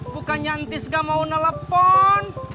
bukannya nanti sega mau telepon